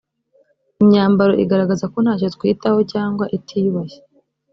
imyambaro igaragaza ko nta cyo twitaho cyangwa itiyubashye